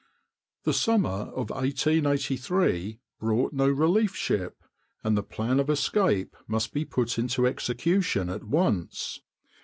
The summer of 1883 brought no relief ship, and the plan of escape must be put into execution at once.